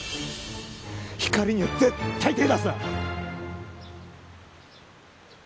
ひかりには絶対手出すな！